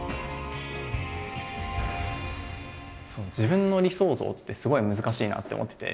自分の理想像ってすごい難しいなって思ってて。